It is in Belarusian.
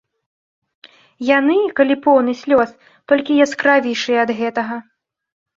Яны, калі поўны слёз, толькі яскравейшыя ад гэтага.